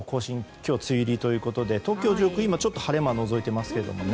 今日、梅雨入りということで東京上空、今晴れ間はのぞいていますね。